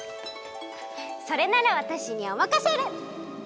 それならわたしにおまかシェル！